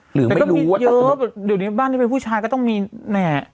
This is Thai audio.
แต่ก็มีเยอะเดี๋ยวนี้บ้านที่เป็นผู้ชายก็ต้องมีแหม่